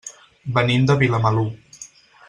Venim de Vilamalur.